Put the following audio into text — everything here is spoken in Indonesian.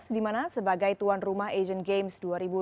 di mana sebagai tuan rumah asian games dua ribu delapan belas